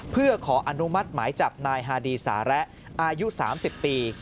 เพื่อขออนุมัติหมายจับนายฮาดีสาระอายุ๓๐ปี